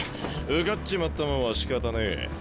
受かっちまったもんはしかたねえ。